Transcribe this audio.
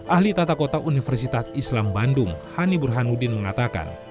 ahli tata kota universitas islam bandung hani burhanuddin mengatakan